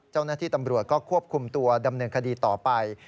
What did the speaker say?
เจ้าหน้าที่ตำรวจก็ควบคุมตัวดำเนินคดีต่อไป